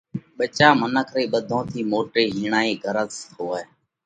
ٻچا، منک رئِي ٻڌون ٿِي موٽئِي هِيڻائِي غرض هوئه۔